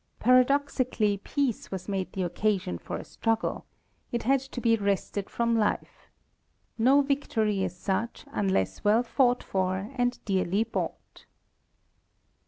Paradoxically peace was made the occasion for a struggle; it had to be wrested from life. No victory is such unless well fought for and dearly bought.